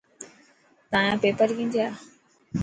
تايان پيپر ڪين ٿيا؟